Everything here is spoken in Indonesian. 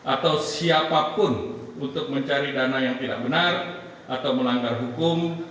atau siapapun untuk mencari dana yang tidak benar atau melanggar hukum